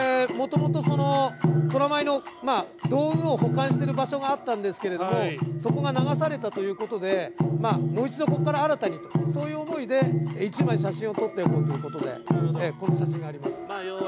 もともと虎舞の道具を保管してる場所があったんですけどそこが流されたということでもう一度、ここから新たにという思いで１枚写真を撮っておこうということでこの写真があります。